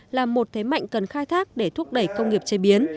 là một thế mạnh cần khai thác để thúc đẩy công nghiệp chế biến